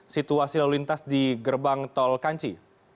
situasi lalu lintas di gerbang tol kanci